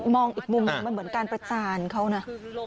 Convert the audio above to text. มองอีกมุมหนึ่งมันเหมือนการประจานเขานะ